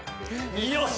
よし！